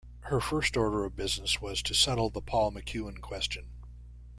Her first order of business was to settle the Paul MacEwan question.